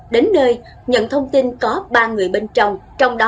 đến nơi nhận thông tin có ba người bên trong đó